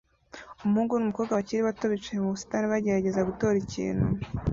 Umuhungu n'umukobwa bakiri bato bicaye mu busitani bagerageza gutora ikintu